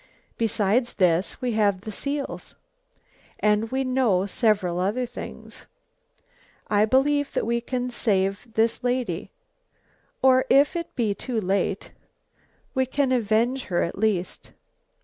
Besides this, we have the seals, and we know several other things. I believe that we can save this lady, or if it be too late, we can avenge her at least."